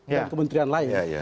dan kementerian lain